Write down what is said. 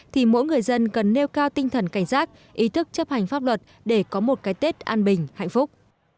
thì mỗi người dân cần nêu cao tinh thần cảnh giác ý thức chấp hành pháp luật để có một cái tết an bình hạnh phúc